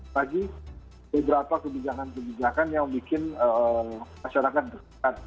bagi beberapa kebijakan kebijakan yang bikin masyarakat